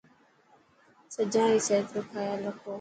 سجان ري صحت روخيال رکو.